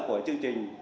của chương trình